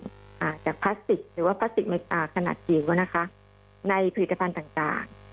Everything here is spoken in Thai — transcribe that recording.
แต่การพลาสติกรีดและขณะจีนนะคะในผลิตฟันต่าง